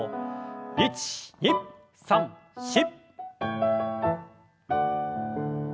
１２３４！